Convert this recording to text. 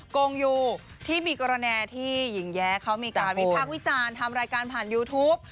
โกงยูที่มีกรณีที่หญิงแย้เขามีการวิพากษ์วิจารณ์ทำรายการผ่านยูทูป